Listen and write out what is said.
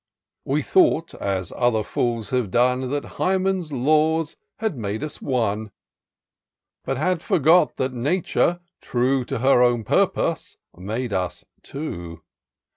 We thought, as other fools have done, That Hymen's laws had made us one ; But had forgot that Nature, true To her own purpose, made us two.